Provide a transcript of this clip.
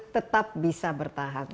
tetap bisa bertahan